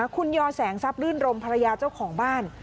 คุณยอแสงทรัพย์ลื่นรมภรรยาเจ้าของบ้าน